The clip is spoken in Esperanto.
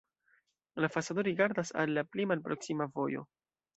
La fasado rigardas al la pli malproksima vojo.